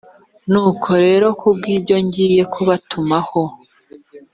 nuko rero ku bw ibyo ngiye kubatumaho